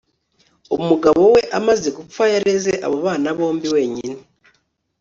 umugabo we amaze gupfa, yareze abo bana bombi wenyine